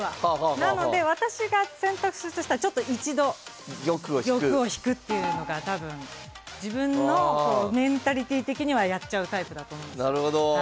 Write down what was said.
なので私が選択するとしたらちょっと一度玉を引くっていうのが多分自分のメンタリティー的にはやっちゃうタイプだと思うんですけど。